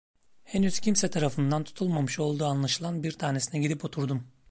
Henüz kimse tarafından tutulmamış olduğu anlaşılan bir tanesine gidip oturdum.